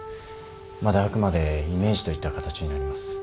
まだあくまでイメージといった形になります。